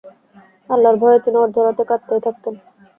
আল্লাহর ভয়ে তিনি অর্ধরাতে কাঁদতেই থাকতেন।